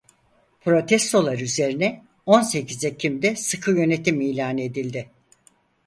Protestolar üzerine on sekiz Ekim'de sıkıyönetim ilan edildi.